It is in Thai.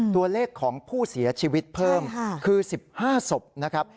ตัวเลขของผู้เสียชีวิตเพิ่มคือ๑๕ศพนะครับ